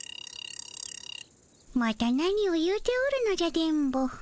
また何を言うておるのじゃ電ボ。